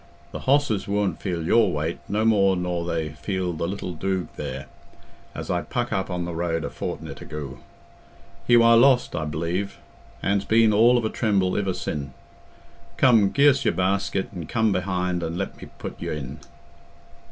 Th' hosses wooant feel your weight no more nor they feel the little doog there, as I puck up on the road a fortni't agoo. He war lost, I b'lieve, an's been all of a tremble iver sin'. Come, gi' us your basket an' come behind and let me put y' in."